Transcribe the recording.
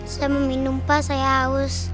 saya mau minum pak saya haus